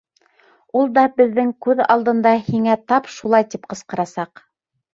Ул да беҙҙең күҙ алдында һиңә тап шулай тип ҡысҡырасаҡ.